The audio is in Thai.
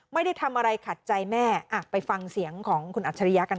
ไม่ได้ทำอะไรขัดใจแม่ไปฟังเสียงของคุณอัจฉริยะกัน